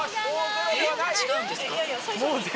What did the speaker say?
えっ違うんですか？